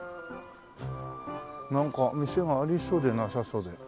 なんか店がありそうでなさそうで。